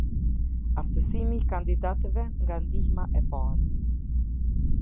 Aftësimi i kandidatëve nga ndihma e parë.